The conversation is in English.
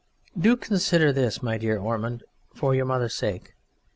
Do consider this, my dear Ormond, for your mother's sake.